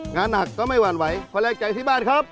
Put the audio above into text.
งานหนักก็ไม่หวานไหวพลังใจที่บ้านครับ